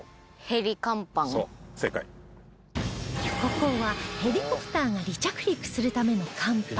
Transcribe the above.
ここはヘリコプターが離着陸するための甲板